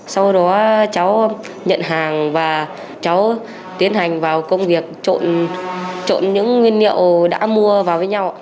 sau đó cháu nhận hàng và cháu tiến hành vào công việc trộn những nguyên liệu đã mua vào với nhau